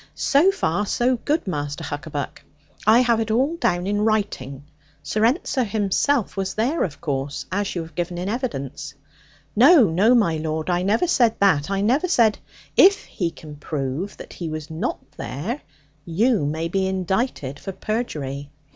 So far so good Master Huckaback. I have it all down in writing. Sir Ensor himself was there, of course, as you have given in evidence ' 'No, no, my lord, I never said that: I never said ' 'If he can prove that he was not there, you may be indicted for perjury.